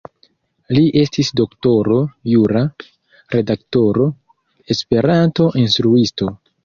Li estis doktoro jura, redaktoro, Esperanto-instruisto.